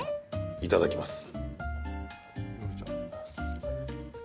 いただきます。